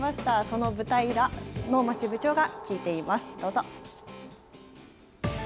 その舞台裏、能町部長が聞いています、どうぞ。